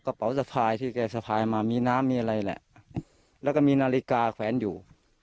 กระเป๋าสะพายที่แกสะพายมามีน้ำมีอะไรแหละแล้วก็มีนาฬิกาแขวนอยู่